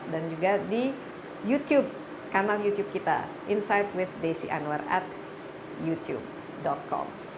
dan juga di youtube kanal youtube kita insight with desi anwar at youtube com